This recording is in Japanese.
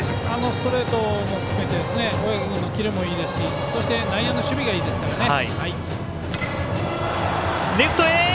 ストレートも含めて小宅君のキレもいいですしそして内野の守備がいいですからね。